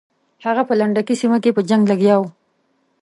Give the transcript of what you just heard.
هغه په لنډکي سیمه کې په جنګ لګیا وو.